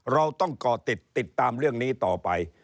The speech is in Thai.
เราต้องก่อติดติดตามเรื่องนี้ต่อไป